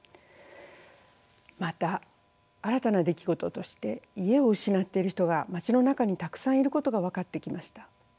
また新たな出来事として家を失っている人が町の中にたくさんいることが分かってきました。